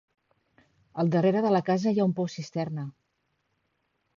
Al darrere de la casa hi ha un pou-cisterna.